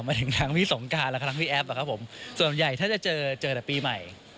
มาถึงทั้งพี่สงการแล้วก็ทั้งพี่แอฟอะครับผมส่วนใหญ่ถ้าจะเจอเจอแต่ปีใหม่